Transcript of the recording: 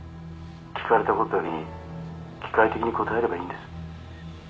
聞かれたことだけに機械的に答えればいいんです